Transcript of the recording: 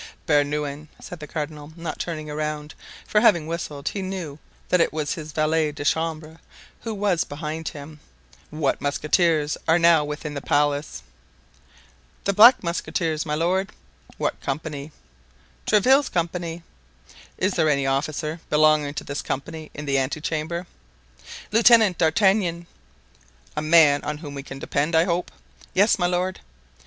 "Bernouin," said the cardinal, not turning round, for having whistled, he knew that it was his valet de chambre who was behind him; "what musketeers are now within the palace?" "The Black Musketeers, my lord." "What company?" "Tréville's company." "Is there any officer belonging to this company in the ante chamber?" "Lieutenant d'Artagnan." "A man on whom we can depend, I hope." "Yes, my lord."